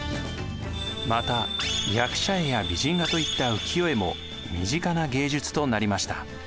また役者絵や美人画といった浮世絵も身近な芸術となりました。